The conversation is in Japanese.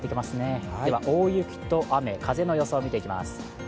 大雪と雨、風の予想を見ていきます。